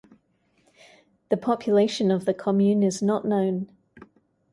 The population of the commune is not known.